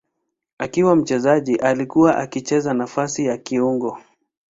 Akiwa mchezaji alikuwa akicheza nafasi ya kiungo.